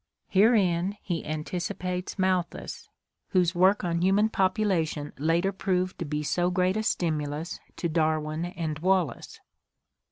Herein he anticipates Malthus, whose work on human population later proved to be so great a stimulus to Darwin and Wallace.